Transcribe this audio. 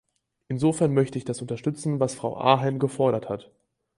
Insofern möchte ich das unterstützen, was Frau Ahern gefordert hat.